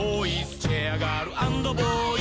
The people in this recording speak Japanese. チェアガール＆ボーイ」